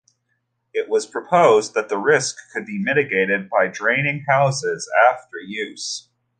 It was proposed that the risk could be mitigated by draining hoses after use.